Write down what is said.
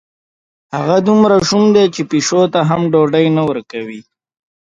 هغه دومره شوم دی، چې پیشو ته هم ډوډۍ نه ورکوي.